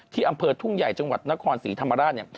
อำเภอทุ่งใหญ่จังหวัดนครศรีธรรมราชเนี่ย